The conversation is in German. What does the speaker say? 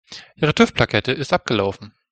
Ihre TÜV-Plakette ist abgelaufen.